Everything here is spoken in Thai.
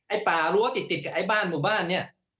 ป่ารั้วติดกับไอ้บ้านหมู่บ้านเนี่ย